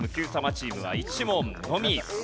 チームは１問のみ。